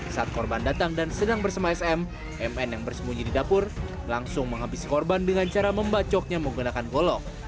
saat korban datang dan sedang bersama sm mn yang bersembunyi di dapur langsung menghabisi korban dengan cara membacoknya menggunakan golok